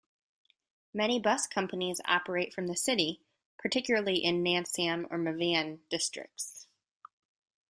Many bus companies operate from the city; particularly in the Nsam and Mvan districts.